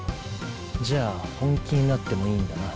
じゃあ本気になってもいいんだな？